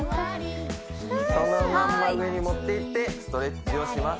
そのまんま上に持っていってストレッチをします